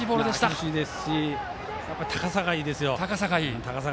厳しいですしやっぱり高さがいいですよ。